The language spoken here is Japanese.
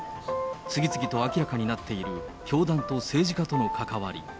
次々と明らかになっている教団と政治家との関わり。